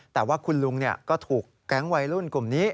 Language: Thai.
แต่ว่าคุณลุงก็ถูกแก๊งวัยรุ่นกลุ่มนี้